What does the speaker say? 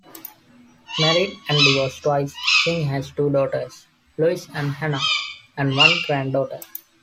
Married and divorced twice, King has two daughters, Louise and Hannah, and one granddaughter.